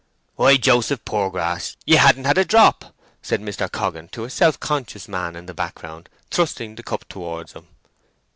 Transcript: "Why, Joseph Poorgrass, ye han't had a drop!" said Mr. Coggan to a self conscious man in the background, thrusting the cup towards him.